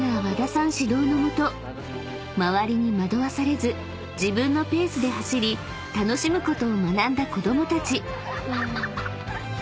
和田さん指導の下周りに惑わされず自分のペースで走り楽しむことを学んだ子供たち］